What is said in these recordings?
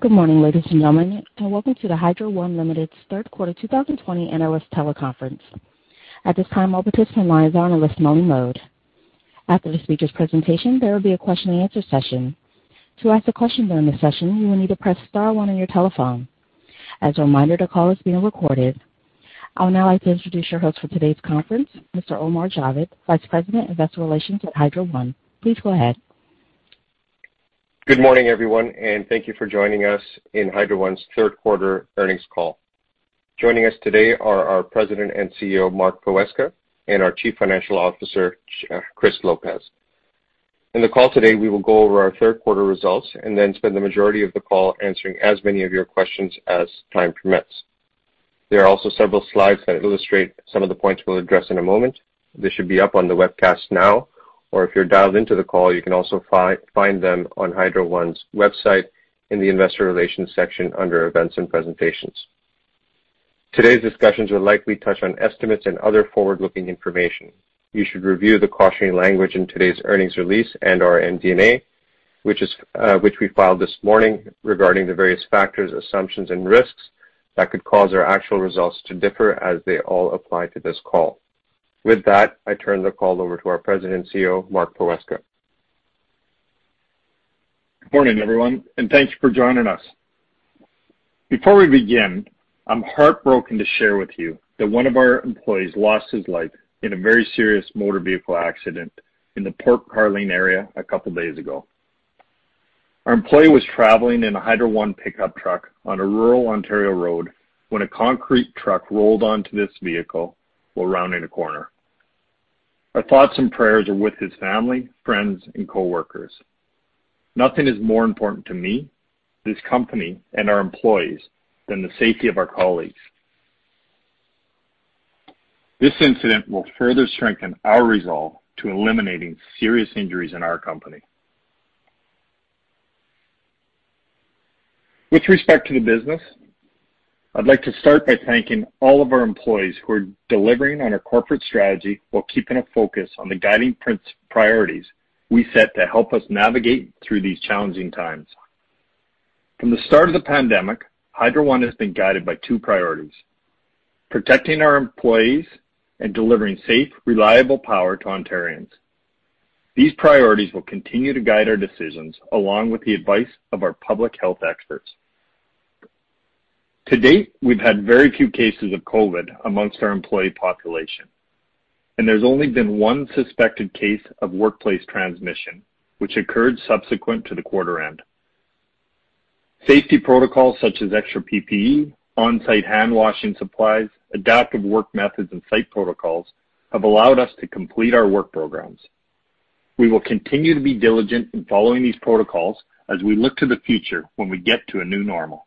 Good morning, ladies and gentlemen, welcome to the Hydro One Limited's third quarter 2020 analyst teleconference. At this time, all participant lines are on a listen-only mode. After the speaker's presentation, there will be a question-and-answer session. To ask a question during the session, you will need to press star one on your telephone. As a reminder, the call is being recorded. I would now like to introduce your host for today's conference, Mr. Omar Javed, Vice President of Investor Relations at Hydro One. Please go ahead. Good morning, everyone, and thank you for joining us in Hydro One's third quarter earnings call. Joining us today are our President and CEO, Mark Poweska, and our Chief Financial Officer, Chris Lopez. In the call today, we will go over our third quarter results and then spend the majority of the call answering as many of your questions as time permits. There are also several slides that illustrate some of the points we'll address in a moment. They should be up on the webcast now, or if you're dialed into the call, you can also find them on Hydro One's website in the investor relations section under events and presentations. Today's discussions will likely touch on estimates and other forward-looking information. You should review the cautionary language in today's earnings release and/or MD&A, which we filed this morning regarding the various factors, assumptions, and risks that could cause our actual results to differ as they all apply to this call. With that, I turn the call over to our President and CEO, Mark Poweska. Good morning, everyone, and thank you for joining us. Before we begin, I am heartbroken to share with you that one of our employees lost his life in a very serious motor vehicle accident in the Port Carling area a couple of days ago. Our employee was traveling in a Hydro One pickup truck on a rural Ontario road when a concrete truck rolled onto this vehicle while rounding a corner. Our thoughts and prayers are with his family, friends, and coworkers. Nothing is more important to me, this company, and our employees than the safety of our colleagues. This incident will further strengthen our resolve to eliminating serious injuries in our company. With respect to the business, I'd like to start by thanking all of our employees who are delivering on our corporate strategy while keeping a focus on the guiding priorities we set to help us navigate through these challenging times. From the start of the pandemic, Hydro One has been guided by two priorities. Protecting our employees and delivering safe, reliable power to Ontarians. These priorities will continue to guide our decisions along with the advice of our public health experts. To date, we've had very few cases of COVID-19 amongst our employee population, and there's only been one suspected case of workplace transmission, which occurred subsequent to the quarter end. Safety protocols such as extra PPE, on-site handwashing supplies, adaptive work methods, and site protocols have allowed us to complete our work programs. We will continue to be diligent in following these protocols as we look to the future when we get to a new normal.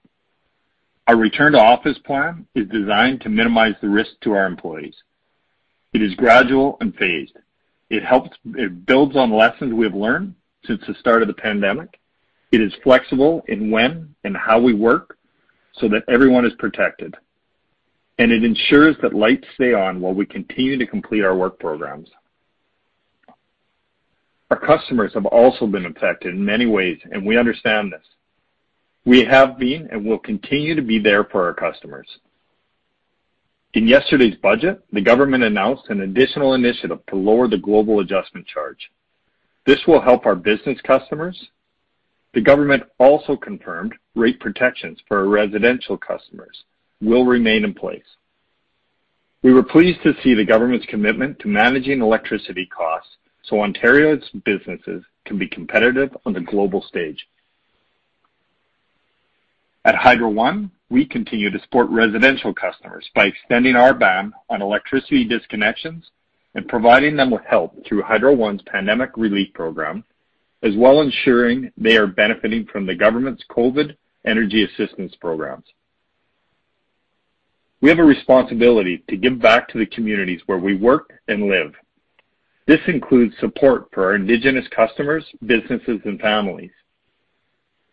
Our return-to-office plan is designed to minimize the risk to our employees. It is gradual and phased. It builds on lessons we have learned since the start of the pandemic. It is flexible in when and how we work so that everyone is protected, and it ensures that lights stay on while we continue to complete our work programs. Our customers have also been affected in many ways, and we understand this. We have been and will continue to be there for our customers. In yesterday's budget, the government announced an additional initiative to lower the Global Adjustment charge. This will help our business customers. The government also confirmed rate protections for our residential customers will remain in place. We were pleased to see the government's commitment to managing electricity costs so Ontario's businesses can be competitive on the global stage. At Hydro One, we continue to support residential customers by extending our ban on electricity disconnections and providing them with help through Hydro One's Pandemic Relief Program, as well ensuring they are benefiting from the government's COVID-19 energy assistance programs. We have a responsibility to give back to the communities where we work and live. This includes support for our Indigenous customers, businesses, and families.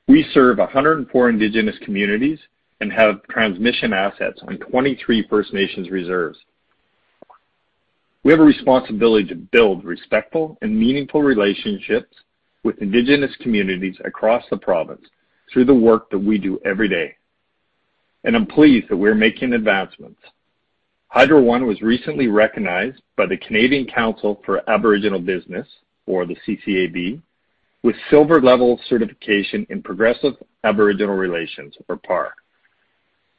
We serve 104 Indigenous communities and have transmission assets on 23 First Nations reserves. We have a responsibility to build respectful and meaningful relationships with Indigenous communities across the province through the work that we do every day. I'm pleased that we're making advancements. Hydro One was recently recognized by the Canadian Council for Aboriginal Business, or the CCAB, with Silver-level certification in Progressive Aboriginal Relations, or PAR,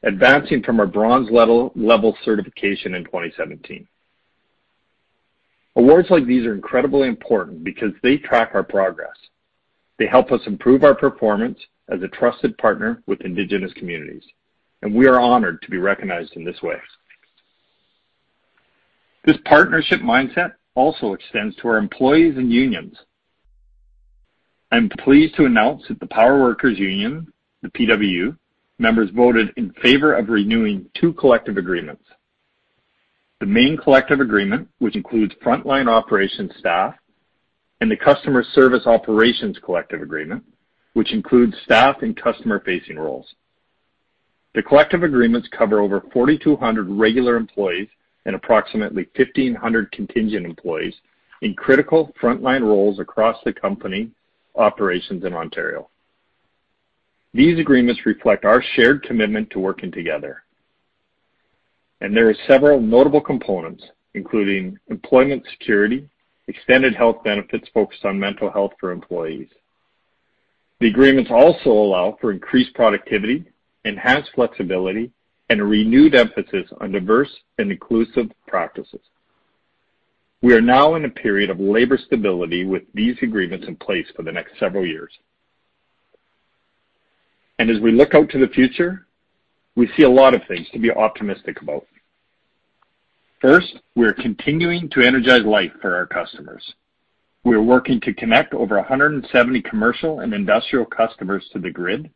advancing from our Bronze level certification in 2017. Awards like these are incredibly important because they track our progress. They help us improve our performance as a trusted partner with Indigenous communities. We are honored to be recognized in this way. This partnership mindset also extends to our employees and unions. I'm pleased to announce that the Power Workers' Union, the PWU, members voted in favor of renewing two collective agreements. The main collective agreement, which includes frontline operations staff, and the customer service operations collective agreement, which includes staff and customer-facing roles. The collective agreements cover over 4,200 regular employees and approximately 1,500 contingent employees in critical frontline roles across the company operations in Ontario. These agreements reflect our shared commitment to working together. There are several notable components, including employment security, extended health benefits focused on mental health for employees. The agreements also allow for increased productivity, enhanced flexibility, and a renewed emphasis on diverse and inclusive practices. We are now in a period of labor stability with these agreements in place for the next several years. As we look out to the future, we see a lot of things to be optimistic about. First, we are continuing to energize life for our customers. We are working to connect over 170 commercial and industrial customers to the grid.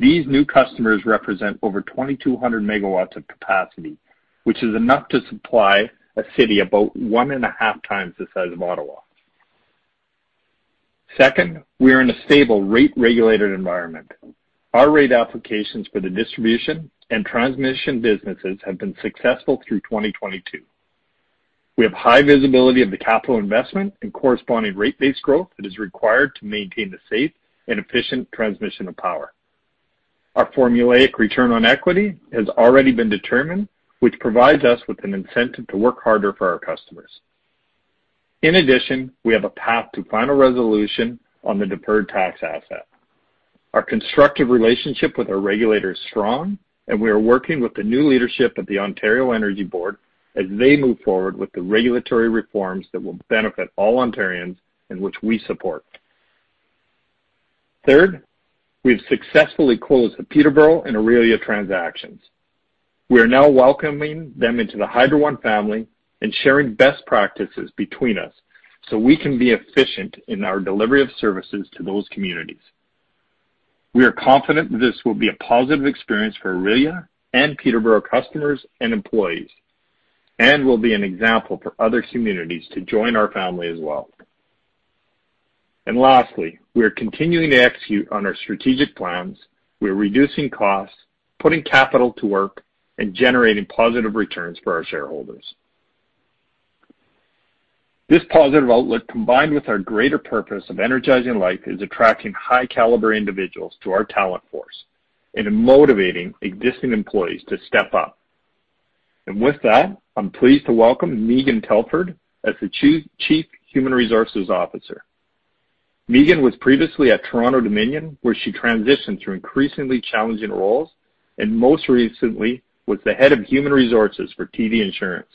These new customers represent over 2,200 MW of capacity, which is enough to supply a city about one and a half times the size of Ottawa. Second, we are in a stable rate-regulated environment. Our rate applications for the distribution and transmission businesses have been successful through 2022. We have high visibility of the capital investment and corresponding rate-based growth that is required to maintain the safe and efficient transmission of power. Our formulaic return on equity has already been determined, which provides us with an incentive to work harder for our customers. In addition, we have a path to final resolution on the deferred tax asset. Our constructive relationship with our regulator is strong, and we are working with the new leadership at the Ontario Energy Board as they move forward with the regulatory reforms that will benefit all Ontarians and which we support. Third, we have successfully closed the Peterborough and Orillia transactions. We are now welcoming them into the Hydro One family and sharing best practices between us so we can be efficient in our delivery of services to those communities. We are confident this will be a positive experience for Orillia and Peterborough customers and employees and will be an example for other communities to join our family as well. Lastly, we are continuing to execute on our strategic plans. We are reducing costs, putting capital to work, and generating positive returns for our shareholders. This positive outlook, combined with our greater purpose of energizing life, is attracting high-caliber individuals to our talent force and motivating existing employees to step up. With that, I'm pleased to welcome Megan Telford as the Chief Human Resources Officer. Megan was previously at Toronto-Dominion, where she transitioned through increasingly challenging roles and most recently was the head of human resources for TD Insurance.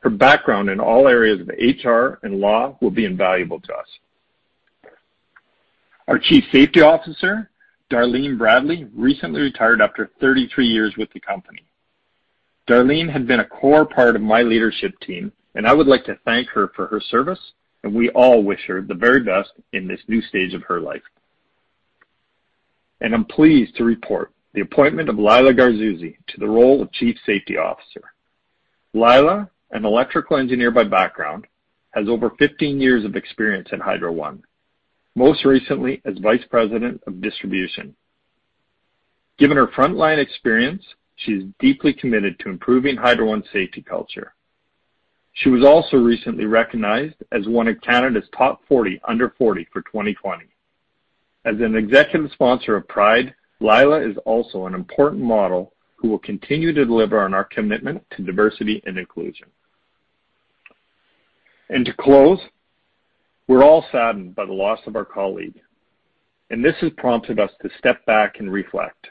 Her background in all areas of HR and law will be invaluable to us. Our Chief Safety Officer, Darlene Bradley, recently retired after 33 years with the company. Darlene had been a core part of my leadership team, and I would like to thank her for her service, and we all wish her the very best in this new stage of her life. I'm pleased to report the appointment of Lyla Garzouzi to the role of Chief Safety Officer. Lyla, an electrical engineer by background, has over 15 years of experience in Hydro One, most recently as Vice President of Distribution. Given her frontline experience, she is deeply committed to improving Hydro One's safety culture. She was also recently recognized as one of Canada's Top 40 Under 40 for 2020. As an executive sponsor of Pride, Lyla is also an important model who will continue to deliver on our commitment to diversity and inclusion. To close, we're all saddened by the loss of our colleague, and this has prompted us to step back and reflect.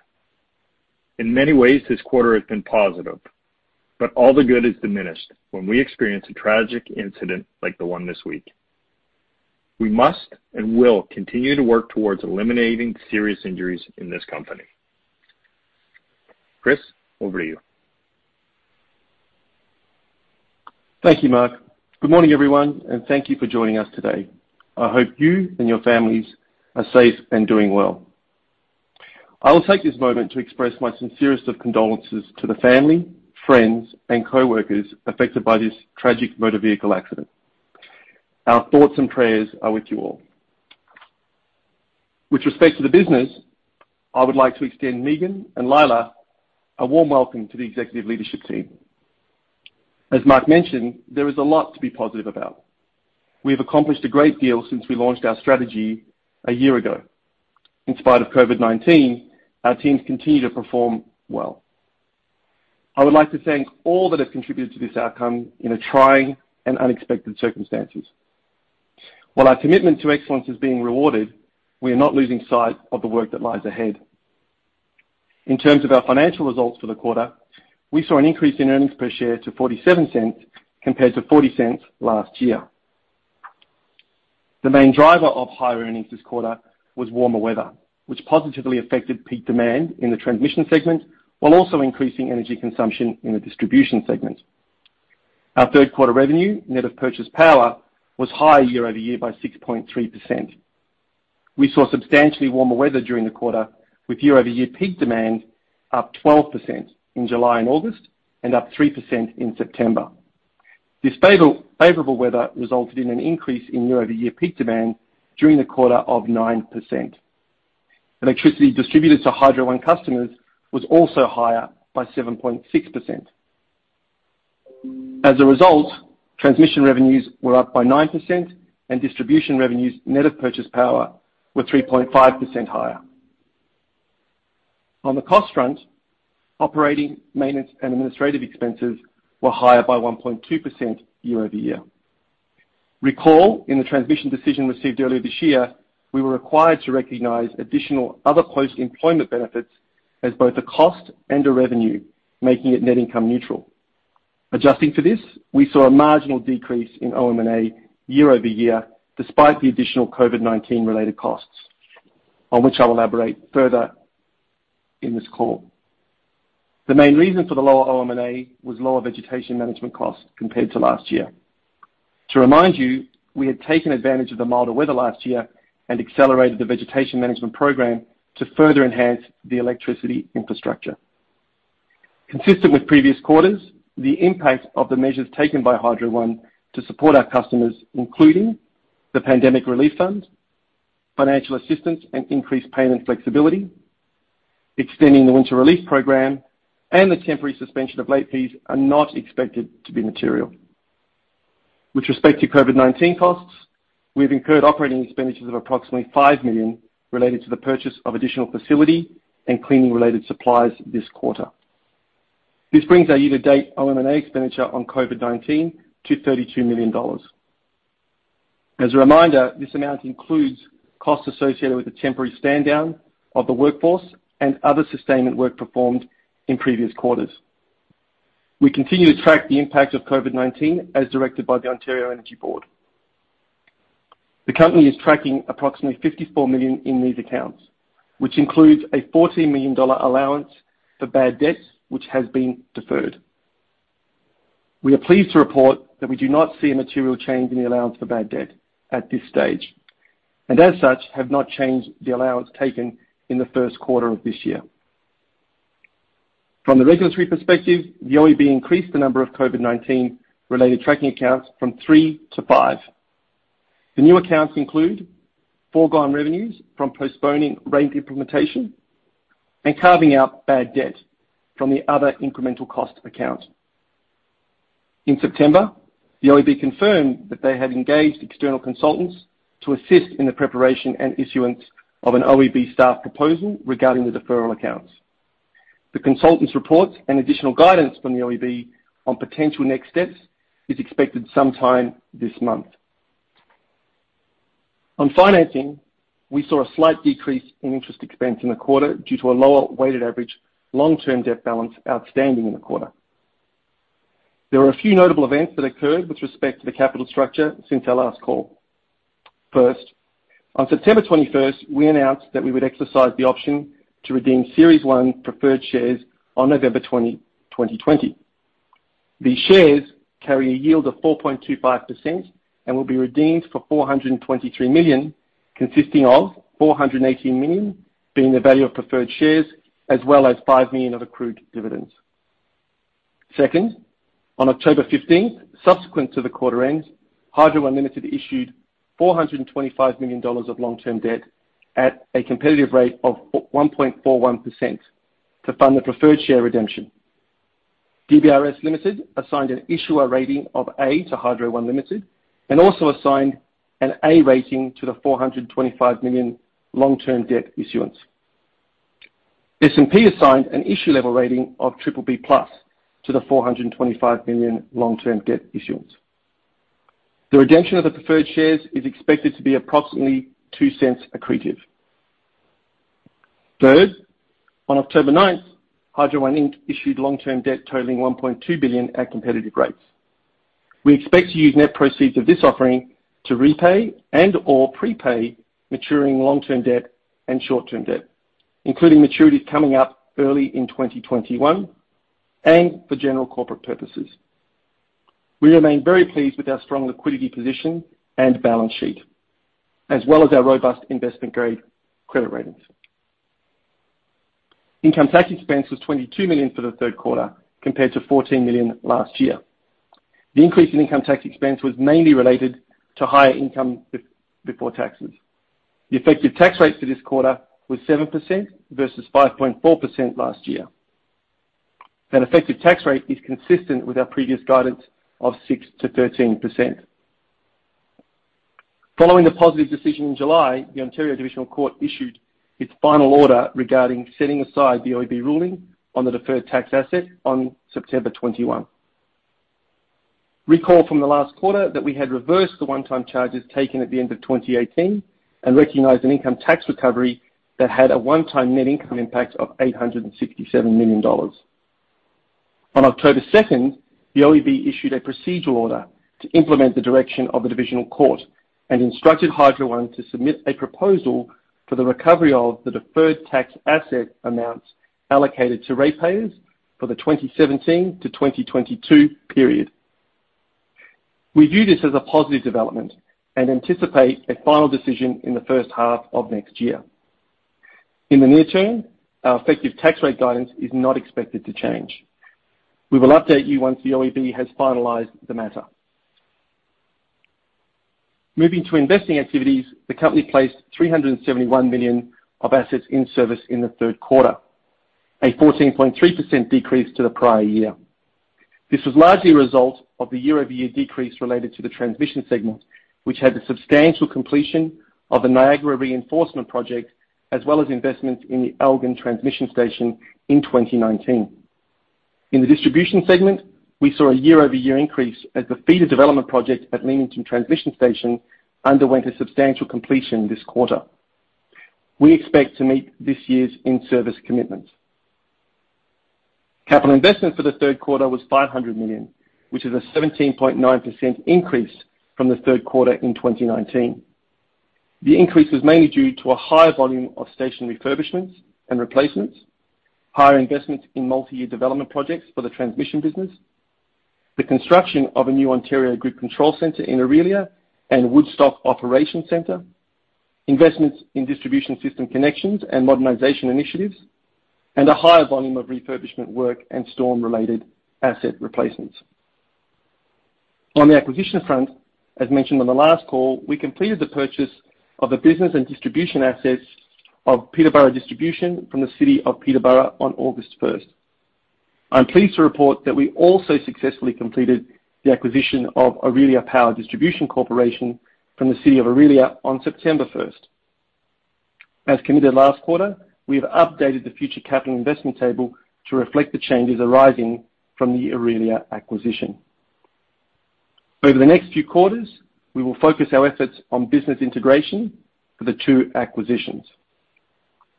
In many ways, this quarter has been positive, but all the good is diminished when we experience a tragic incident like the one this week. We must and will continue to work towards eliminating serious injuries in this company. Chris, over to you. Thank you, Mark. Good morning, everyone, thank you for joining us today. I hope you and your families are safe and doing well. I will take this moment to express my sincerest of condolences to the family, friends, and coworkers affected by this tragic motor vehicle accident. Our thoughts and prayers are with you all. With respect to the business, I would like to extend Megan and Lyla a warm welcome to the executive leadership team. As Mark mentioned, there is a lot to be positive about. We have accomplished a great deal since we launched our strategy a year ago. In spite of COVID-19, our teams continue to perform well. I would like to thank all that have contributed to this outcome in trying and unexpected circumstances. While our commitment to excellence is being rewarded, we are not losing sight of the work that lies ahead. In terms of our financial results for the quarter, we saw an increase in earnings per share to 0.47 compared to 0.40 last year. The main driver of higher earnings this quarter was warmer weather, which positively affected peak demand in the transmission segment while also increasing energy consumption in the distribution segment. Our third-quarter revenue, net of purchased power, was higher year-over-year by 6.3%. We saw substantially warmer weather during the quarter, with year-over-year peak demand up 12% in July and August and up 3% in September. This favorable weather resulted in an increase in year-over-year peak demand during the quarter of 9%. Electricity distributed to Hydro One customers was also higher by 7.6%. As a result, transmission revenues were up by 9% and distribution revenues, net of purchase power, were 3.5% higher. On the cost front, operating, maintenance, and administrative expenses were higher by 1.2% year-over-year. Recall, in the transmission decision received earlier this year, we were required to recognize additional other post-employment benefits as both a cost and a revenue, making it net income neutral. Adjusting for this, we saw a marginal decrease in OM&A year-over-year, despite the additional COVID-19 related costs on which I'll elaborate further in this call. The main reason for the lower OM&A was lower vegetation management costs compared to last year. To remind you, we had taken advantage of the milder weather last year and accelerated the vegetation management program to further enhance the electricity infrastructure. Consistent with previous quarters, the impact of the measures taken by Hydro One to support our customers, including the Pandemic Relief Fund, financial assistance and increased payment flexibility, extending the Winter Relief Program, and the temporary suspension of late fees are not expected to be material. With respect to COVID-19 costs, we have incurred operating expenditures of approximately 5 million related to the purchase of additional facility and cleaning-related supplies this quarter. This brings our year-to-date OM&A expenditure on COVID-19 to 32 million dollars. As a reminder, this amount includes costs associated with the temporary stand-down of the workforce and other sustainment work performed in previous quarters. We continue to track the impact of COVID-19 as directed by the Ontario Energy Board. The company is tracking approximately CAD 54 million in these accounts, which includes a CAD 14 million allowance for bad debts, which has been deferred. We are pleased to report that we do not see a material change in the allowance for bad debt at this stage, and as such, have not changed the allowance taken in the first quarter of this year. From the regulatory perspective, the OEB increased the number of COVID-19 related tracking accounts from three to five. The new accounts include foregone revenues from postponing rate implementation and carving out bad debt from the other incremental cost account. In September, the OEB confirmed that they have engaged external consultants to assist in the preparation and issuance of an OEB staff proposal regarding the deferral accounts. The consultants' reports and additional guidance from the OEB on potential next steps is expected sometime this month. On financing, we saw a slight decrease in interest expense in the quarter due to a lower weighted average long-term debt balance outstanding in the quarter. There are a few notable events that occurred with respect to the capital structure since our last call. First, on September 21st, we announced that we would exercise the option to redeem Series 1 Preferred Shares on November 20, 2020. These shares carry a yield of 4.25% and will be redeemed for CAD 423 million, consisting of CAD 418 million being the value of preferred shares, as well as CAD 5 million of accrued dividends. Second, on October 15th, subsequent to the quarter end, Hydro One Limited issued 425 million dollars of long-term debt at a competitive rate of 1.41% to fund the preferred share redemption. DBRS Limited assigned an issuer rating of A to Hydro One Limited and also assigned an A rating to the 425 million long-term debt issuance. S&P assigned an issue level rating of triple B plus to the 425 million long-term debt issuance. The redemption of the preferred shares is expected to be approximately 0.02 accretive. Third, on October 9th, Hydro One Inc. issued long-term debt totaling 1.2 billion at competitive rates. We expect to use net proceeds of this offering to repay and/or prepay maturing long-term debt and short-term debt, including maturities coming up early in 2021, and for general corporate purposes. We remain very pleased with our strong liquidity position and balance sheet, as well as our robust investment-grade credit ratings. Income tax expense was 22 million for the third quarter, compared to 14 million last year. The increase in income tax expense was mainly related to higher income before taxes. The effective tax rates for this quarter were 7% versus 5.4% last year. That effective tax rate is consistent with our previous guidance of 6%-13%. Following the positive decision in July, the Ontario Divisional Court issued its final order regarding setting aside the OEB ruling on the deferred tax asset on September 21. Recall from the last quarter that we had reversed the one-time charges taken at the end of 2018 and recognized an income tax recovery that had a one-time net income impact of 867 million dollars. On October 2nd, the OEB issued a procedural order to implement the direction of the Divisional Court and instructed Hydro One to submit a proposal for the recovery of the deferred tax asset amounts allocated to ratepayers for the 2017 to 2022 period. We view this as a positive development and anticipate a final decision in the first half of next year. In the near term, our effective tax rate guidance is not expected to change. We will update you once the OEB has finalized the matter. Moving to investing activities, the company placed 371 million of assets in service in the third quarter, a 14.3% decrease to the prior year. This was largely a result of the year-over-year decrease related to the transmission segment, which had the substantial completion of the Niagara Reinforcement Line, as well as investments in the Elgin transmission station in 2019. In the distribution segment, we saw a year-over-year increase as the feeder development project at Leamington transmission station underwent a substantial completion this quarter. We expect to meet this year's in-service commitments. Capital investment for the third quarter was 500 million, which is a 17.9% increase from the third quarter in 2019. The increase was mainly due to a higher volume of station refurbishments and replacements, higher investments in multi-year development projects for the transmission business, the construction of a new Ontario Grid Control Centre in Orillia and Woodstock operations center, investments in distribution system connections and modernization initiatives, and a higher volume of refurbishment work and storm-related asset replacements. On the acquisition front, as mentioned on the last call, we completed the purchase of the business and distribution assets of Peterborough Distribution from the City of Peterborough on August 1st. I'm pleased to report that we also successfully completed the acquisition of Orillia Power Distribution Corporation from the City of Orillia on September 1st. As committed last quarter, we have updated the future capital investment table to reflect the changes arising from the Orillia acquisition. Over the next few quarters, we will focus our efforts on business integration for the two acquisitions.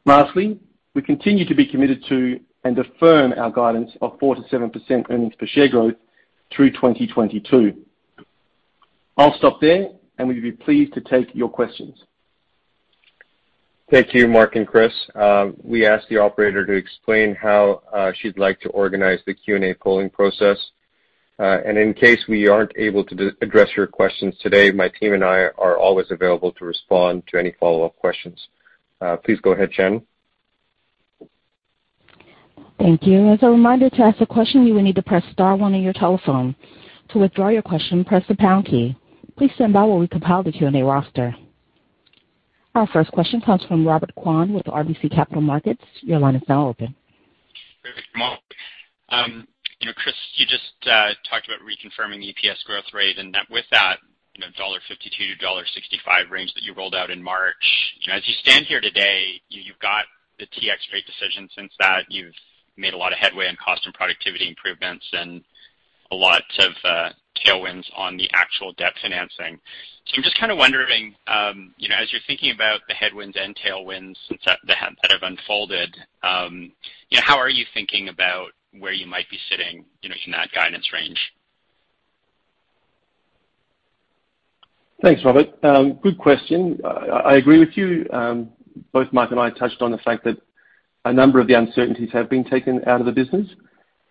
Lastly, we continue to be committed to and affirm our guidance of 4%-7% earnings per share growth through 2022. I'll stop there, and we'd be pleased to take your questions. Thank you, Mark and Chris. We asked the operator to explain how she'd like to organize the Q&A polling process. In case we aren't able to address your questions today, my team and I are always available to respond to any follow-up questions. Please go ahead, Shannon. Thank you. As a reminder, to ask a question, you will need to press star one on your telephone. To withdraw your question, press the pound key. Please stand by while we compile the Q&A roster. Our first question comes from Robert Kwan with RBC Capital Markets. Your line is now open. Perfect, Mark. Chris, you just talked about reconfirming the EPS growth rate and with that 1.52-1.65 dollar range that you rolled out in March. As you stand here today, you've got the TX rate decision since that, you've made a lot of headway on cost and productivity improvements and a lot of tailwinds on the actual debt financing. I'm just kind of wondering, as you're thinking about the headwinds and tailwinds since that have unfolded, how are you thinking about where you might be sitting in that guidance range? Thanks, Robert. Good question. I agree with you. Both Mark and I touched on the fact that a number of the uncertainties have been taken out of the business.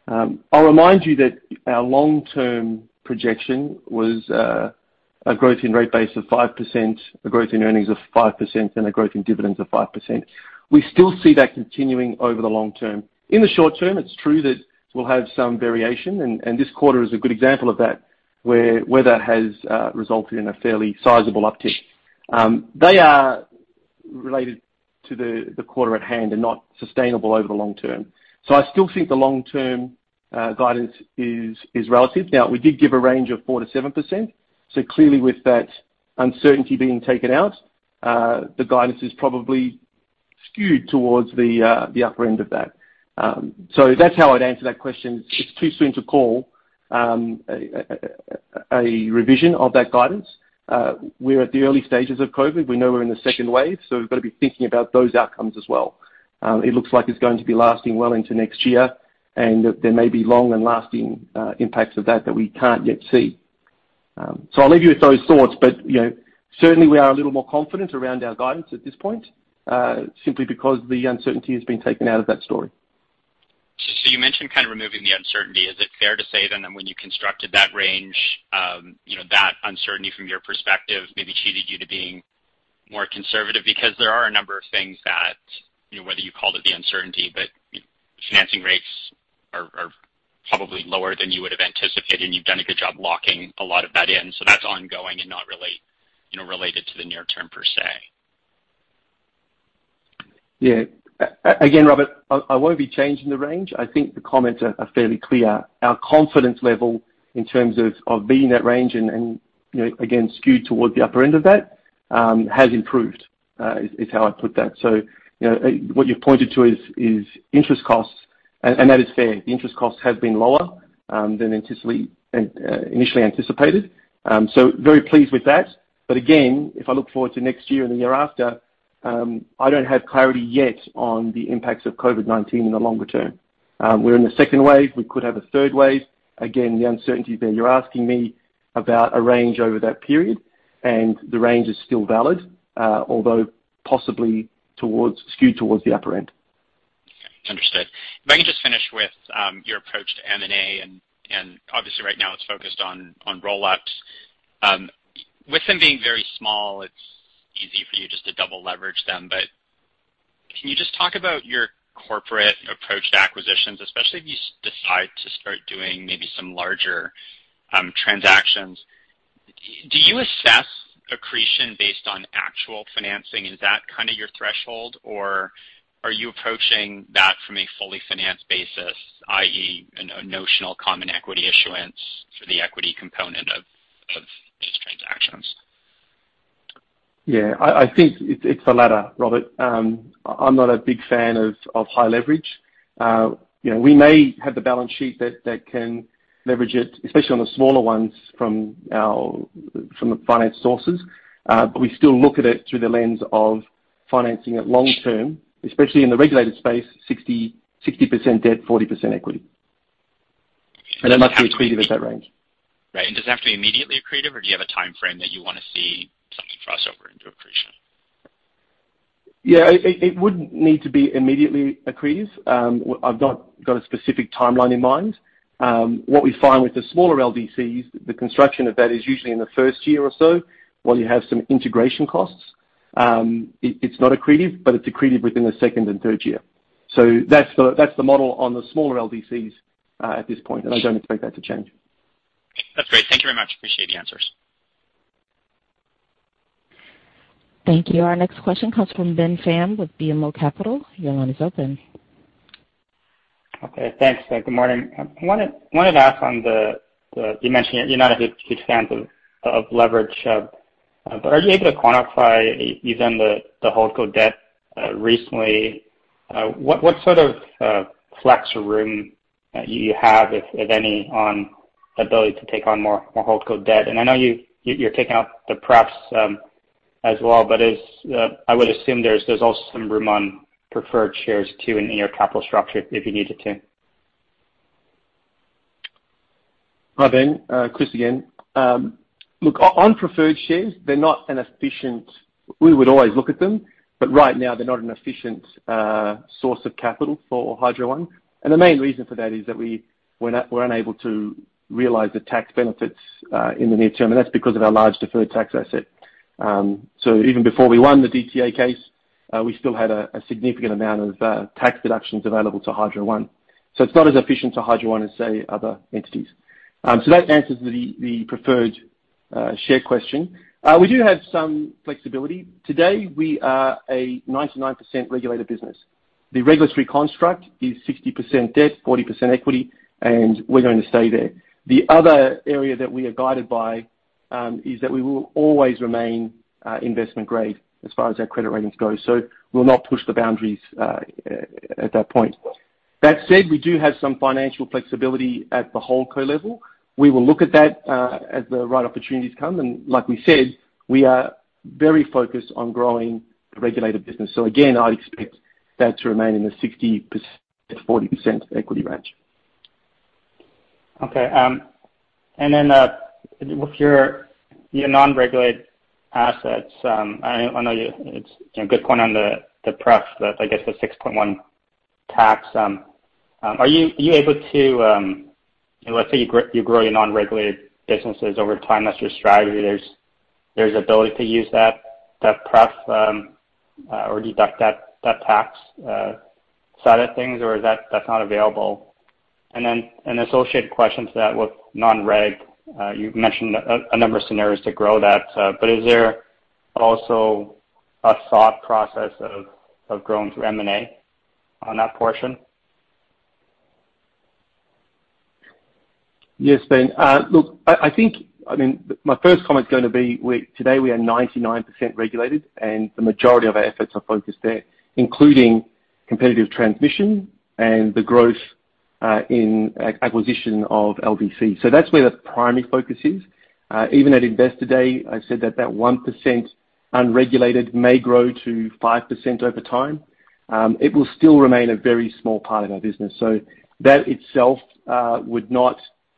I'll remind you that our long-term projection was a growth in rate base of 5%, a growth in earnings of 5%, and a growth in dividends of 5%. We still see that continuing over the long term. In the short term, it's true that we'll have some variation, and this quarter is a good example of that, where weather has resulted in a fairly sizable uptick. They are related to the quarter at hand and not sustainable over the long term. I still think the long-term guidance is relative. Now, we did give a range of 4%-7%, so clearly with that uncertainty being taken out, the guidance is probably skewed towards the upper end of that. That's how I'd answer that question. It's too soon to call a revision of that guidance. We're at the early stages of COVID-19. We know we're in the second wave, so we've got to be thinking about those outcomes as well. It looks like it's going to be lasting well into next year, and that there may be long and lasting impacts of that that we can't yet see. I'll leave you with those thoughts, but certainly we are a little more confident around our guidance at this point, simply because the uncertainty has been taken out of that story. You mentioned kind of removing the uncertainty. Is it fair to say, then, that when you constructed that range, that uncertainty from your perspective maybe cheated you to being more conservative? There are a number of things that, whether you called it the uncertainty, but financing rates are probably lower than you would have anticipated, and you've done a good job locking a lot of that in. That's ongoing and not really related to the near term, per se. Yeah. Again, Robert, I won't be changing the range. I think the comments are fairly clear. Our confidence level in terms of being in that range and, again, skewed towards the upper end of that, has improved, is how I'd put that. What you've pointed to is interest costs, and that is fair. The interest costs have been lower than initially anticipated. Very pleased with that. Again, if I look forward to next year and the year after, I don't have clarity yet on the impacts of COVID-19 in the longer term. We're in the second wave. We could have a third wave. Again, the uncertainty is there. You're asking me about a range over that period, and the range is still valid, although possibly skewed towards the upper end. Understood. If I can just finish with your approach to M&A, obviously right now it's focused on roll-ups. With them being very small, it's easy for you just to double leverage them, can you just talk about your corporate approach to acquisitions, especially if you decide to start doing maybe some larger transactions? Do you assess accretion based on actual financing? Is that your threshold, or are you approaching that from a fully financed basis, i.e., a notional common equity issuance for the equity component of these transactions? Yeah, I think it's the latter, Robert. I'm not a big fan of high leverage. We may have the balance sheet that can leverage it, especially on the smaller ones from the finance sources. We still look at it through the lens of financing it long term, especially in the regulated space, 60% debt, 40% equity. It must be accretive at that range. Right. Does it have to be immediately accretive, or do you have a timeframe that you want to see something cross over into accretion? Yeah, it wouldn't need to be immediately accretive. I've not got a specific timeline in mind. What we find with the smaller LDCs, the construction of that is usually in the first year or so while you have some integration costs. It's not accretive, but it's accretive within the second and third year. That's the model on the smaller LDCs at this point, and I don't expect that to change. That's great. Thank you very much. Appreciate the answers. Thank you. Our next question comes from Ben Pham with BMO Capital. Your line is open. Okay, thanks. Good morning. I wanted to ask on the. You mentioned you're not a huge fan of leverage. Are you able to quantify, you've done the holdco debt recently, what sort of flex room you have, if any, on ability to take on more holdco debt? I know you're taking up the pref as well, but I would assume there's also some room on preferred shares, too, in your capital structure if you needed to. Hi, Ben. Chris again. Look, on preferred shares, we would always look at them, but right now they're not an efficient source of capital for Hydro One. The main reason for that is that we're unable to realize the tax benefits in the near term, and that's because of our large deferred tax asset. Even before we won the DTA case, we still had a significant amount of tax deductions available to Hydro One. It's not as efficient to Hydro One as, say, other entities. That answers the preferred share question. We do have some flexibility. Today, we are a 99% regulated business. The regulatory construct is 60% debt, 40% equity, and we're going to stay there. The other area that we are guided by is that we will always remain investment grade as far as our credit ratings go. We'll not push the boundaries at that point. That said, we do have some financial flexibility at the holdco level. We will look at that as the right opportunities come, and like we said, we are very focused on growing the regulated business. Again, I would expect that to remain in the 60%-40% equity range. Okay. With your non-regulated assets, I know it's a good point on the pref, I guess the 6.1% tax. Let's say you grow your non-regulated businesses over time, that's your strategy. There's ability to use that pref or deduct that tax side of things or that's not available? An associated question to that, with non-reg, you've mentioned a number of scenarios to grow that, but is there also a thought process of growing through M&A on that portion? Yes, Ben. Look, my first comment is going to be today we are 99% regulated, and the majority of our efforts are focused there, including competitive transmission and the growth in acquisition of LDC. That's where the primary focus is. Even at Investor Day, I said that that 1% unregulated may grow to 5% over time. It will still remain a very small part of our business. That itself would not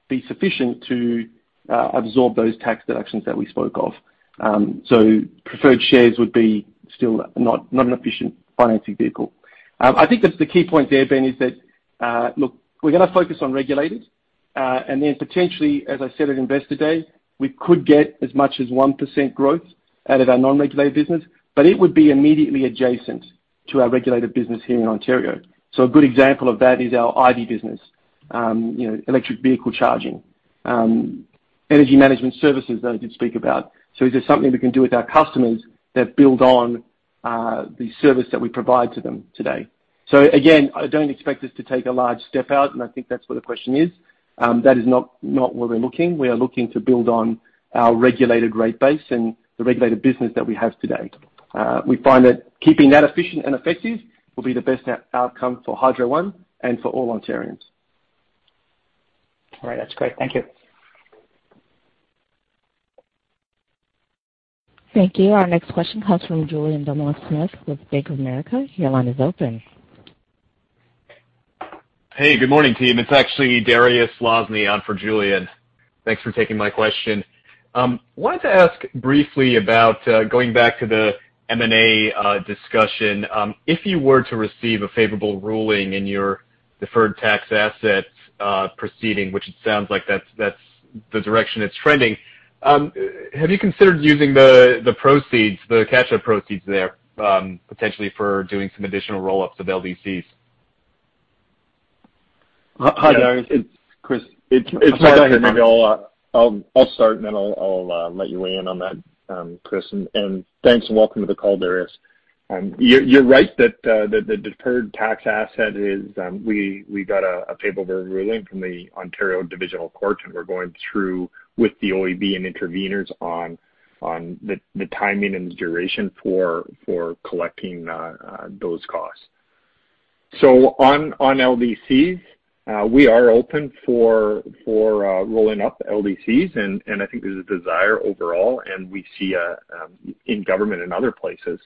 be sufficient to absorb those tax deductions that we spoke of. Preferred shares would be still not an efficient financing vehicle. I think that the key point there, Ben, is that, look, we're going to focus on regulated. Potentially, as I said at Investor Day, we could get as much as 1% growth out of our non-regulated business, but it would be immediately adjacent to our regulated business here in Ontario. A good example of that is our EV business, electric vehicle charging. Energy management services that I did speak about. Is there something we can do with our customers that build on the service that we provide to them today? Again, I don't expect us to take a large step out, and I think that's what the question is. That is not where we're looking. We are looking to build on our regulated rate base and the regulated business that we have today. We find that keeping that efficient and effective will be the best outcome for Hydro One and for all Ontarians. All right, that's great. Thank you. Thank you. Our next question comes from Julien Dumoulin-Smith with Bank of America. Your line is open. Hey, good morning, team. It's actually Dariusz Lozny on for Julien. Thanks for taking my question. Wanted to ask briefly about going back to the M&A discussion. If you were to receive a favorable ruling in your deferred tax assets proceeding, which it sounds like that's the direction it's trending, have you considered using the cash flow proceeds there, potentially for doing some additional roll-ups of LDCs? Hi, Dariusz. It's Chris. It's Mark here. Maybe I'll start, and then I'll let you weigh in on that, Chris. Thanks, welcome to the call, Dariusz. You're right that the deferred tax asset is We got a favorable ruling from the Ontario Divisional Court, and we're going through with the OEB and interveners on the timing and the duration for collecting those costs. On LDCs, we are open for rolling up LDCs, and I think there's a desire overall, and we see in government and other places,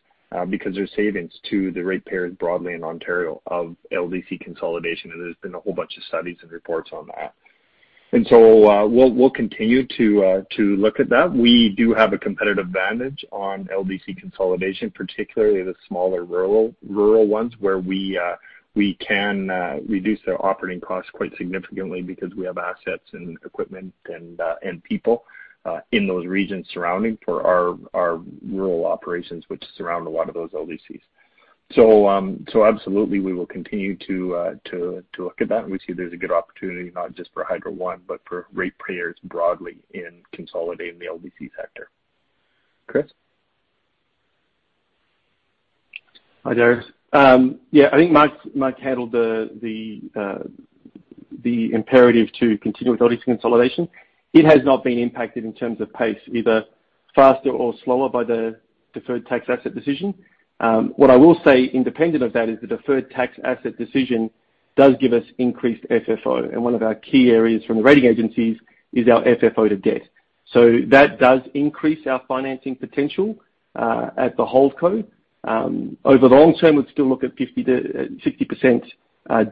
because there's savings to the ratepayers broadly in Ontario of LDC consolidation. There's been a whole bunch of studies and reports on that. We'll continue to look at that. We do have a competitive advantage on LDC consolidation, particularly the smaller rural ones, where we can reduce their operating costs quite significantly because we have assets and equipment and people in those regions surrounding for our rural operations, which surround a lot of those LDCs. Absolutely, we will continue to look at that, and we see there's a good opportunity not just for Hydro One, but for ratepayers broadly in consolidating the LDC sector. Chris? Hi, Dariusz. Yeah, I think Mike handled the imperative to continue with LDC consolidation. It has not been impacted in terms of pace, either faster or slower by the deferred tax asset decision. What I will say, independent of that, is the deferred tax asset decision does give us increased FFO, and one of our key areas from the rating agencies is our FFO to debt. That does increase our financing potential at the holdco. Over the long term, we'd still look at 50%-60%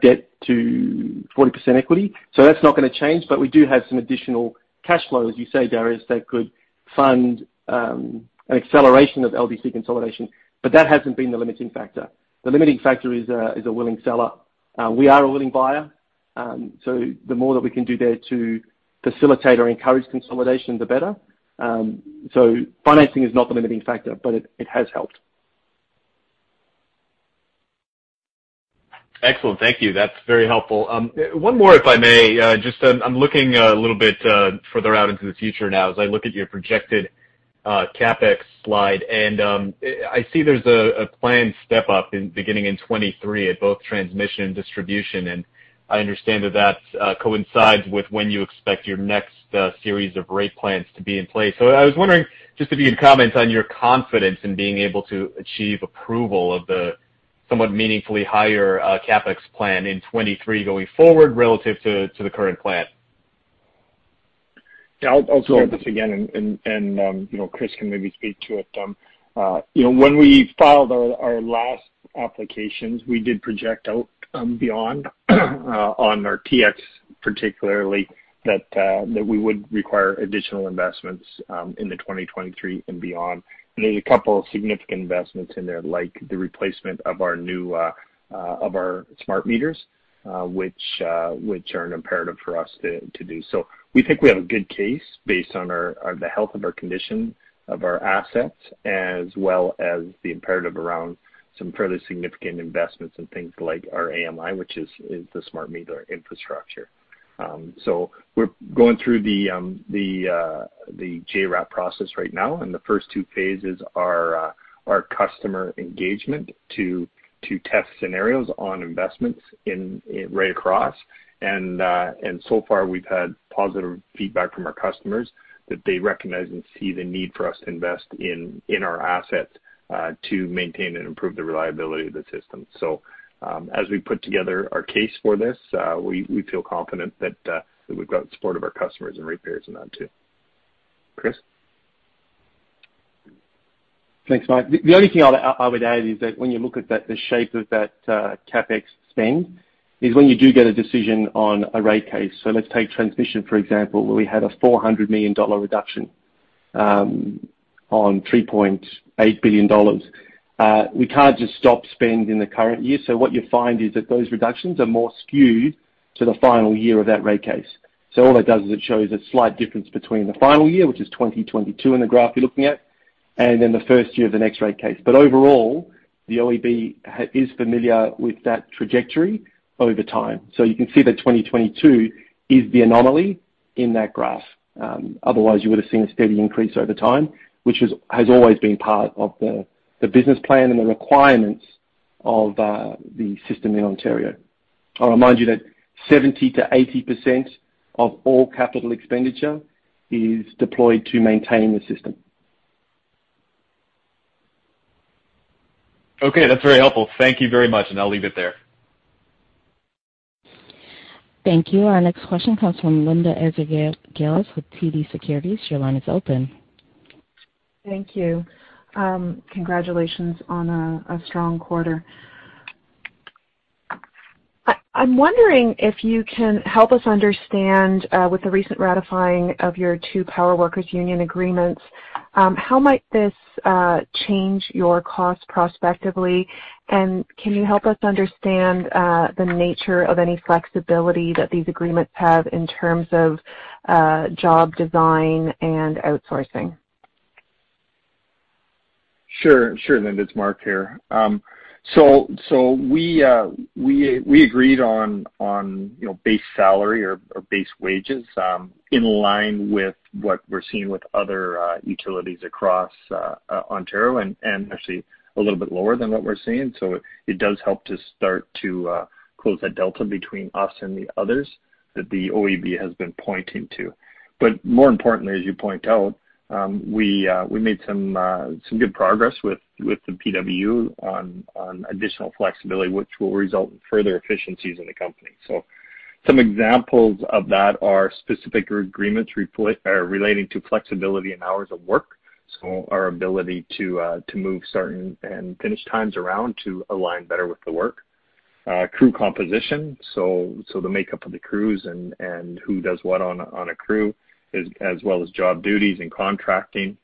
debt to 40% equity. That's not going to change. We do have some additional cash flow, as you say, Dariusz, that could fund an acceleration of LDC consolidation. That hasn't been the limiting factor. The limiting factor is a willing seller. We are a willing buyer. The more that we can do there to facilitate or encourage consolidation, the better. Financing is not the limiting factor, but it has helped. Excellent. Thank you. That's very helpful. One more, if I may. I'm looking a little bit further out into the future now as I look at your projected CapEx slide, and I see there's a planned step-up beginning in 2023 at both transmission and distribution, and I understand that coincides with when you expect your next series of rate plans to be in place. I was wondering just if you could comment on your confidence in being able to achieve approval of the somewhat meaningfully higher CapEx plan in 2023 going forward relative to the current plan. Yeah, I'll start this again, and Chris can maybe speak to it. When we filed our last applications, we did project out beyond on our TX particularly that we would require additional investments in the 2023 and beyond. There's a couple of significant investments in there, like the replacement of our smart meters, which are an imperative for us to do. We think we have a good case based on the health and the condition of our assets, as well as the imperative around some fairly significant investments in things like our AMI, which is the smart meter infrastructure. We're going through the JRAP process right now, and the first two phases are customer engagement to test scenarios on investments right across. So far, we've had positive feedback from our customers that they recognize and see the need for us to invest in our assets to maintain and improve the reliability of the system. As we put together our case for this, we feel confident that we've got the support of our customers and rate payers in that too. Chris? Thanks, Mike. The only thing I would add is that when you look at the shape of that CapEx spend is when you do get a decision on a rate case. Let's take transmission, for example, where we had a 400 million dollar reduction on 3.8 billion dollars. We can't just stop spend in the current year. What you find is that those reductions are more skewed to the final year of that rate case. All that does is it shows a slight difference between the final year, which is 2022 in the graph you're looking at, and then the first year of the next rate case. Overall, the OEB is familiar with that trajectory over time. You can see that 2022 is the anomaly in that graph. Otherwise, you would have seen a steady increase over time, which has always been part of the business plan and the requirements of the system in Ontario. I'll remind you that 70%-80% of all capital expenditure is deployed to maintain the system. Okay, that's very helpful. Thank you very much. I'll leave it there. Thank you. Our next question comes from Linda Ezergailis with TD Securities. Your line is open. Thank you. Congratulations on a strong quarter. I'm wondering if you can help us understand with the recent ratifying of your two Power Workers' Union agreements, how might this change your cost prospectively, and can you help us understand the nature of any flexibility that these agreements have in terms of job design and outsourcing? Sure. Linda, it's Mark here. We agreed on base salary or base wages in line with what we're seeing with other utilities across Ontario and actually a little bit lower than what we're seeing. It does help to start to close that delta between us and the others that the OEB has been pointing to. More importantly, as you point out, we made some good progress with the PW on additional flexibility, which will result in further efficiencies in the company. Some examples of that are specific agreements relating to flexibility and hours of work. Our ability to move certain and finish times around to align better with the work. Crew composition, the makeup of the crews and who does what on a crew, as well as job duties and contracting.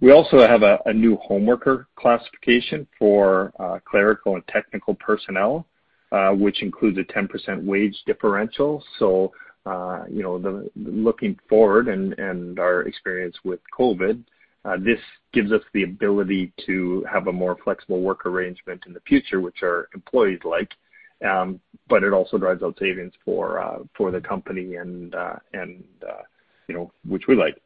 We also have a new home worker classification for clerical and technical personnel, which includes a 10% wage differential. Looking forward and our experience with COVID-19, this gives us the ability to have a more flexible work arrangement in the future, which our employees like. It also drives out savings for the company, which we like.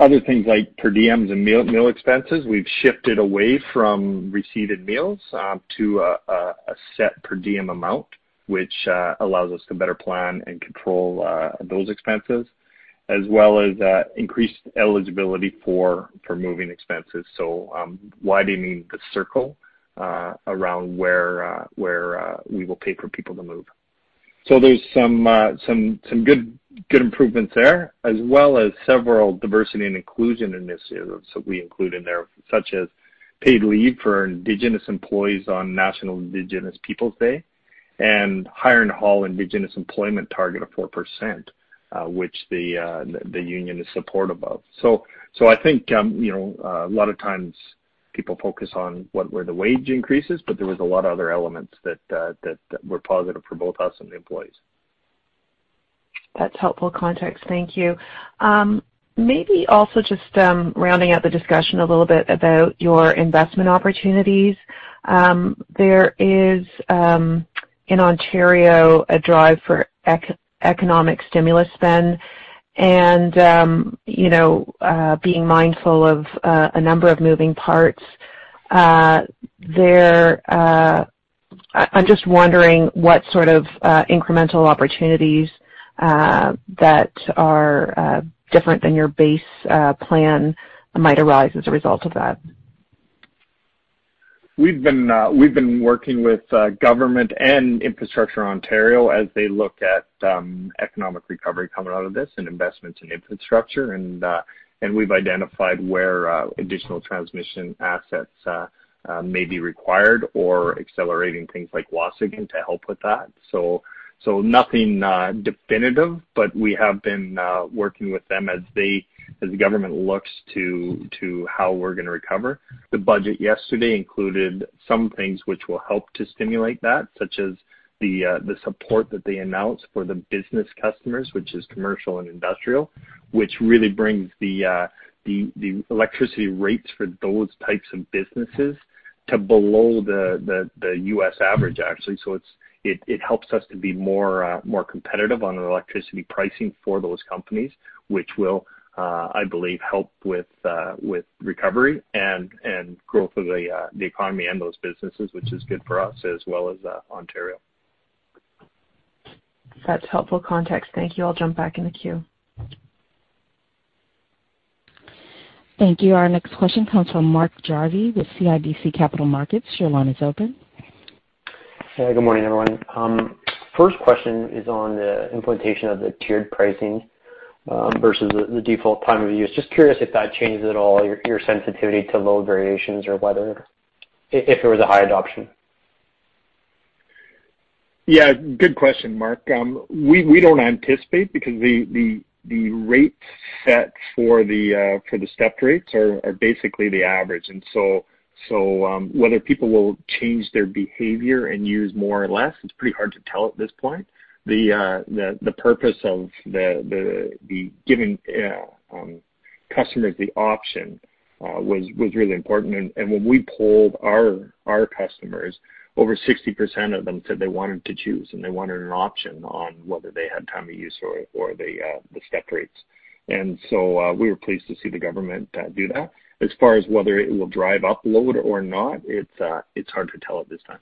Other things like per diems and meal expenses, we've shifted away from receipted meals to a set per diem amount, which allows us to better plan and control those expenses, as well as increased eligibility for moving expenses. Widening the circle around where we will pay for people to move. There's some good improvements there, as well as several diversity and inclusion initiatives that we include in there, such as paid leave for Indigenous employees on National Indigenous Peoples Day and hiring hall Indigenous employment target of 4%, which the union is supportive of. I think a lot of times people focus on where the wage increases, but there was a lot of other elements that were positive for both us and the employees. That's helpful context. Thank you. Maybe also just rounding out the discussion a little bit about your investment opportunities. There is, in Ontario, a drive for economic stimulus spend and being mindful of a number of moving parts there. I'm just wondering what sort of incremental opportunities that are different than your base plan might arise as a result of that. We've been working with government and Infrastructure Ontario as they look at economic recovery coming out of this and investments in infrastructure. We've identified where additional transmission assets may be required or accelerating things like Wataynikaneyap to help with that. Nothing definitive, but we have been working with them as the government looks to how we're going to recover. The budget yesterday included some things which will help to stimulate that, such as the support that they announced for the business customers, which is commercial and industrial, which really brings the electricity rates for those types of businesses to below the U.S. average, actually. It helps us to be more competitive on electricity pricing for those companies, which will, I believe, help with recovery and growth of the economy and those businesses, which is good for us as well as Ontario. That's helpful context. Thank you. I'll jump back in the queue. Thank you. Our next question comes from Mark Jarvi with CIBC Capital Markets. Your line is open. Yeah. Good morning, everyone. First question is on the implementation of the tiered pricing versus the default time of use. Just curious if that changes at all your sensitivity to load variations or whether if it was a high adoption. Yeah, good question, Mark. We don't anticipate because the rate set for the stepped rates are basically the average. Whether people will change their behavior and use more or less, it's pretty hard to tell at this point. The purpose of giving customers the option was really important. When we polled our customers, over 60% of them said they wanted to choose and they wanted an option on whether they had time of use or the stepped rates. We were pleased to see the government do that. As far as whether it will drive up load or not, it's hard to tell at this time.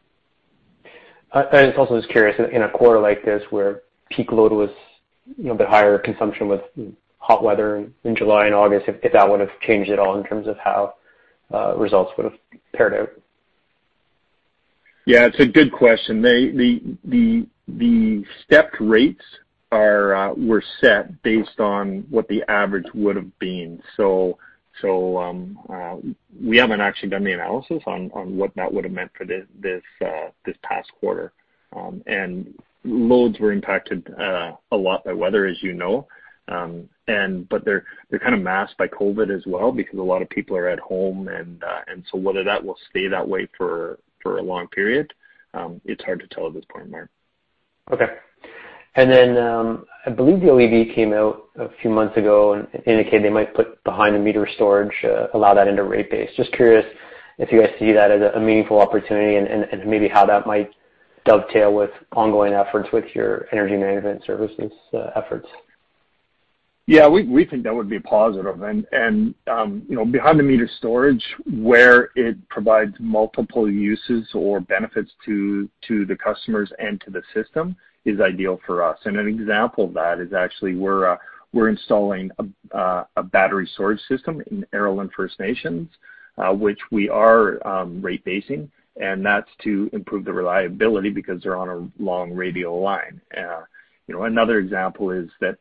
I also was curious in a quarter like this where peak load was a bit higher, consumption was hot weather in July and August, if that would have changed at all in terms of how results would have paired out? Yeah, it's a good question. The stepped rates were set based on what the average would've been. We haven't actually done the analysis on what that would've meant for this past quarter. Loads were impacted a lot by weather, as you know. They're kind of masked by COVID-19 as well because a lot of people are at home, whether that will stay that way for a long period, it's hard to tell at this point, Mark. Okay. I believe the OEB came out a few months ago and indicated they might put behind the meter storage, allow that into rate base. Just curious if you guys see that as a meaningful opportunity and maybe how that might dovetail with ongoing efforts with your energy management services efforts? Yeah, we think that would be positive. Behind the meter storage, where it provides multiple uses or benefits to the customers and to the system, is ideal for us. An example of that is actually we're installing a battery storage system in Aroland First Nation, which we are rate-basing, and that's to improve the reliability because they're on a long radial line. Another example is that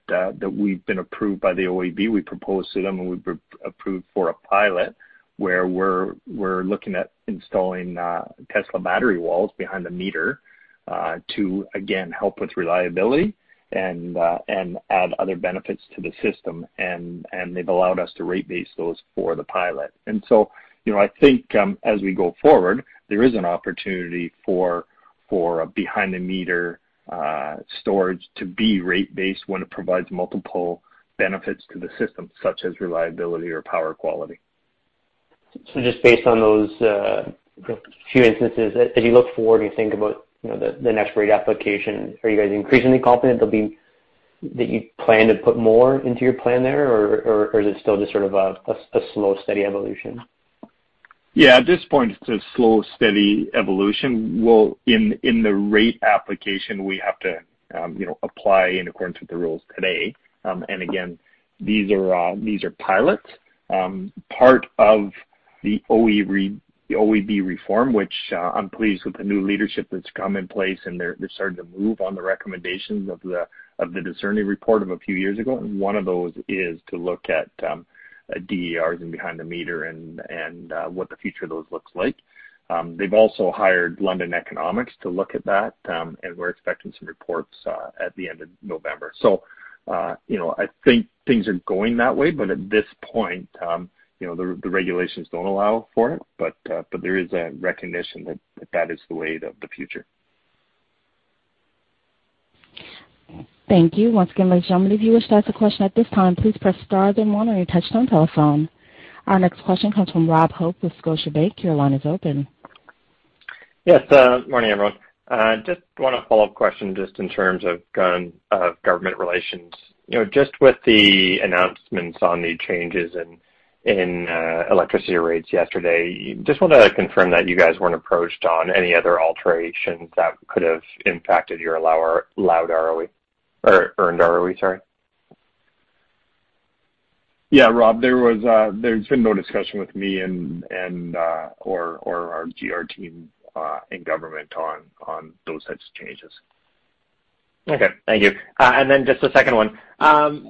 we've been approved by the OEB. We proposed to them and we've been approved for a pilot where we're looking at installing Tesla Powerwalls behind the meter to, again, help with reliability and add other benefits to the system. They've allowed us to rate base those for the pilot. I think, as we go forward, there is an opportunity for a behind the meter storage to be rate based when it provides multiple benefits to the system, such as reliability or power quality. Just based on those few instances, as you look forward and you think about the next rate application, are you guys increasingly confident that you plan to put more into your plan there, or is it still just sort of a slow, steady evolution? Yeah. At this point it's a slow, steady evolution. In the rate application, we have to apply in accordance with the rules today. Again, these are pilots. Part of the OEB reform, which I'm pleased with the new leadership that's come in place and they're starting to move on the recommendations of the Dicerni report of a few years ago. One of those is to look at DERs and behind the meter and what the future of those looks like. They've also hired London Economics to look at that, and we're expecting some reports at the end of November. I think things are going that way, but at this point the regulations don't allow for it. There is a recognition that that is the way of the future. Thank you. Once again, ladies and gentlemen, if you wish to ask a question at this time, please press star then one on your touchtone telephone. Our next question comes from Rob Hope with Scotiabank. Your line is open. Yes. Morning, everyone. Just one follow-up question just in terms of government relations. Just with the announcements on the changes in electricity rates yesterday, just wanted to confirm that you guys weren't approached on any other alterations that could have impacted your earned ROE. Sorry. Yeah, Rob. There's been no discussion with me or our GR team in government on those types of changes. Okay. Thank you. Just a second one.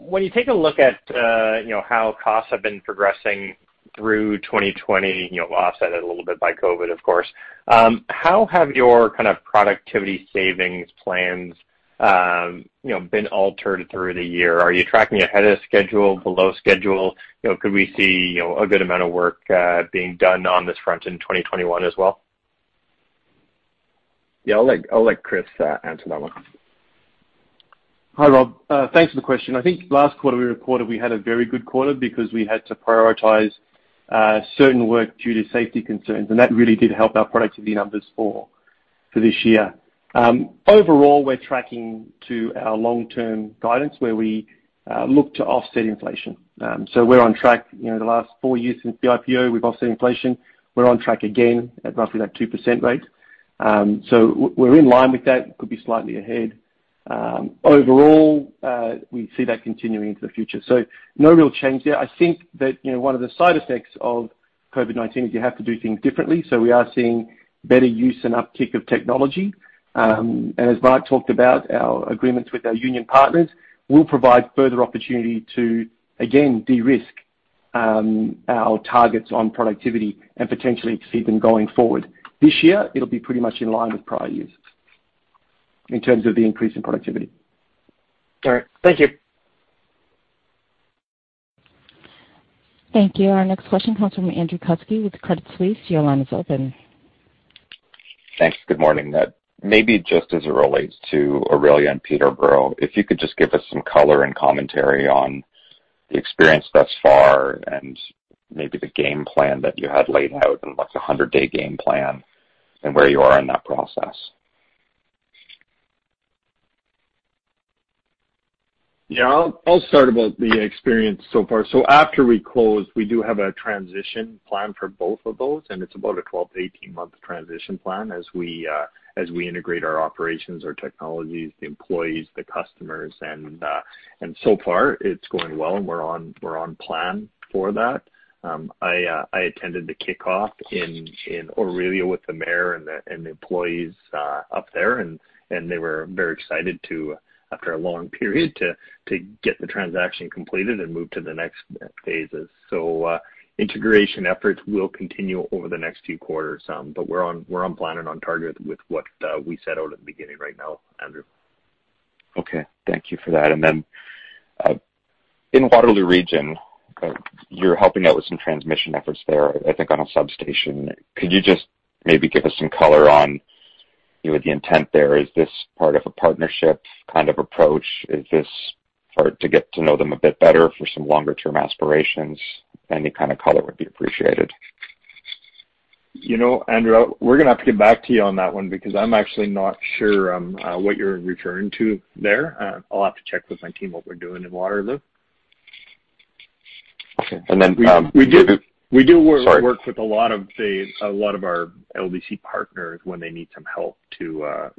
When you take a look at how costs have been progressing through 2020, offset a little bit by COVID-19, of course, how have your kind of productivity savings plans been altered through the year? Are you tracking ahead of schedule? Below schedule? Could we see a good amount of work being done on this front in 2021 as well? Yeah. I'll let Chris answer that one. Hi, Rob. Thanks for the question. I think last quarter we reported we had a very good quarter because we had to prioritize certain work due to safety concerns. That really did help our productivity numbers for this year. Overall, we're tracking to our long-term guidance where we look to offset inflation. We're on track. The last four years since the IPO, we've offset inflation. We're on track again at roughly that 2% rate. We're in line with that, could be slightly ahead. Overall, we see that continuing into the future. No real change there. I think that one of the side effects of COVID-19 is you have to do things differently. We are seeing better use and uptick of technology. As Mark talked about, our agreements with our union partners will provide further opportunity to, again, de-risk our targets on productivity and potentially exceed them going forward. This year, it'll be pretty much in line with prior years in terms of the increase in productivity. All right. Thank you. Thank you. Our next question comes from Andrew Kuske with Credit Suisse. Your line is open. Thanks. Good morning. Maybe just as it relates to Orillia and Peterborough, if you could just give us some color and commentary on the experience thus far and maybe the game plan that you had laid out and what the 100-day game plan and where you are in that process? Yeah. I'll start about the experience so far. After we close, we do have a transition plan for both of those, and it's about a 12-18-month transition plan as we integrate our operations, our technologies, the employees, the customers. So far, it's going well, and we're on plan for that. I attended the kickoff in Orillia with the mayor and the employees up there, and they were very excited to, after a long period, to get the transaction completed and move to the next phases. Integration efforts will continue over the next few quarters. We're on plan and on target with what we set out at the beginning right now, Andrew. Okay. Thank you for that. In Waterloo region, you're helping out with some transmission efforts there, I think, on a substation. Could you just maybe give us some color on the intent there? Is this part of a partnership kind of approach? Is this hard to get to know them a bit better for some longer-term aspirations? Any kind of color would be appreciated. Andrew, we're going to have to get back to you on that one because I'm actually not sure what you're referring to there. I'll have to check with my team what we're doing in Waterloo. Okay. We do work. Sorry. With a lot of our LDC partners when they need some help to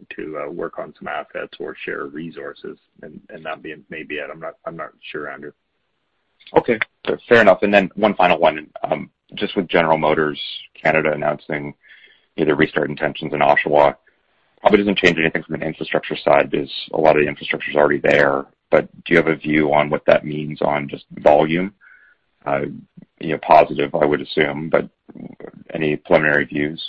work on some assets or share resources, that being maybe it. I'm not sure, Andrew. Okay. Fair enough. Then one final one. Just with General Motors Canada announcing their restart intentions in Oshawa, probably doesn't change anything from an infrastructure side because a lot of the infrastructure's already there. Do you have a view on what that means on just volume? Positive, I would assume, but any preliminary views?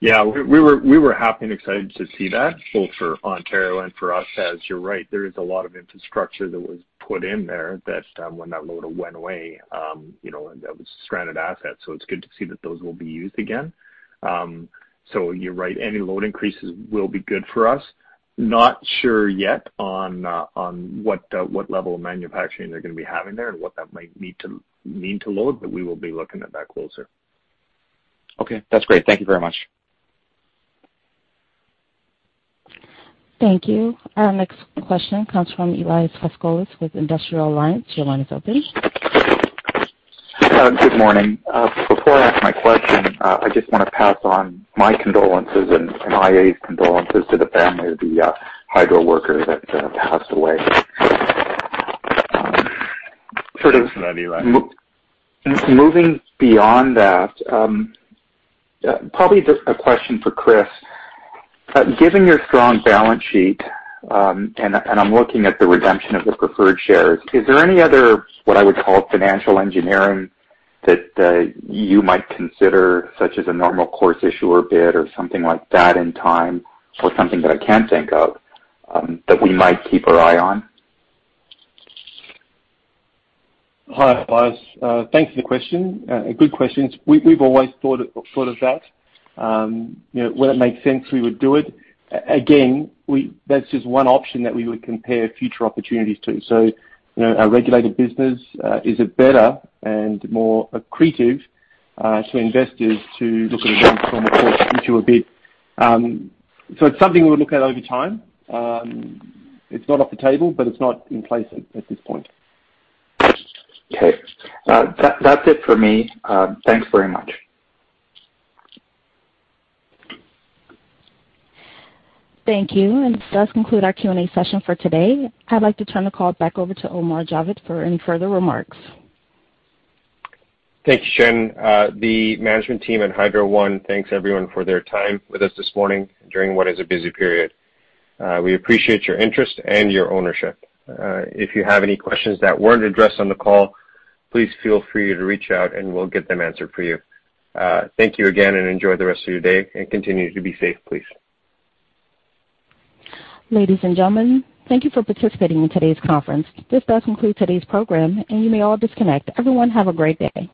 Yeah. We were happy and excited to see that, both for Ontario and for us, as you're right, there is a lot of infrastructure that was put in there that when that load went away, and that was stranded assets. It's good to see that those will be used again. You're right. Any load increases will be good for us. Not sure yet on what level of manufacturing they're going to be having there and what that might mean to load, but we will be looking at that closer. Okay. That's great. Thank you very much. Thank you. Our next question comes from Elias Foscolos with Industrial Alliance. Your line is open. Good morning. Before I ask my question, I just want to pass on my condolences and iA's condolences to the family of the Hydro worker that passed away. Thanks for that, Elias. Moving beyond that, probably just a question for Chris. Given your strong balance sheet, and I'm looking at the redemption of the preferred shares, is there any other, what I would call, financial engineering that you might consider, such as a normal course issuer bid or something like that in time, or something that I can't think of that we might keep our eye on? Hi, Elias. Thanks for the question. A good question. We've always thought of that. When it makes sense, we would do it. Again, that's just one option that we would compare future opportunities to. Our regulated business is a better and more accretive to investors to look at a issuer bid. It's something we'll look at over time. It's not off the table, but it's not in place at this point. Okay. That's it for me. Thanks very much. Thank you. This does conclude our Q&A session for today. I'd like to turn the call back over to Omar Javed for any further remarks. Thank you, Shannon. The management team at Hydro One thanks everyone for their time with us this morning during what is a busy period. We appreciate your interest and your ownership. If you have any questions that weren't addressed on the call, please feel free to reach out, and we'll get them answered for you. Thank you again, and enjoy the rest of your day, and continue to be safe, please. Ladies and gentlemen, thank you for participating in today's conference. This does conclude today's program, and you may all disconnect. Everyone have a great day.